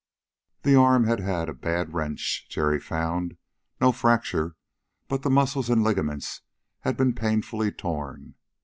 The arm had had a bad wrench, Jerry found. No fracture, but the muscles and ligaments had been painfully torn.